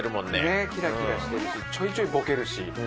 佑キラキラしてるしちょいちょいボケるし。